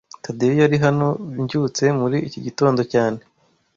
Tadeyo yari hano mbyutse muri iki gitondo cyane